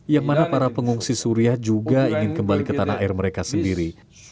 yang mana para pengungsi suriah juga ingin kembali ke tanah air mereka sendiri